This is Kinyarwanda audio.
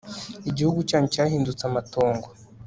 igihugu cyanyu cyahindutse amatongo